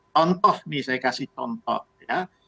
contoh nih saya kasih contoh ya